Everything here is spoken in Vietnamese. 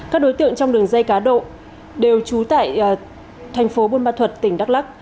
các đối tượng trong đường dây cá độ đều trú tại thành phố bôn ba thuật tỉnh đắk lắc